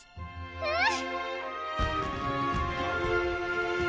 うん！